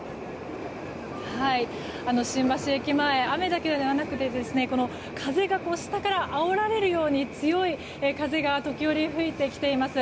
新橋駅前雨だけではなくて風が下からあおられるように強い風が時折、吹いてきています。